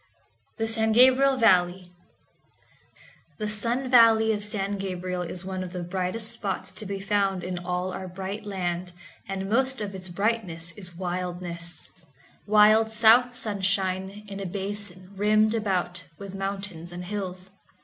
The San Gabriel Valley The sun valley of San Gabriel is one of the brightest spots to be found in all our bright land, and most of its brightness is wildness—wild south sunshine in a basin rimmed about with mountains and hills.